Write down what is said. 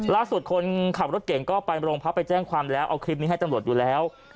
คนขับรถเก่งก็ไปโรงพักไปแจ้งความแล้วเอาคลิปนี้ให้ตำรวจอยู่แล้ว